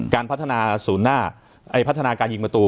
การพัฒนาการยิงประตู